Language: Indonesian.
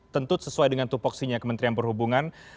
tentu sesuai dengan tupoksinya kementerian perhubungan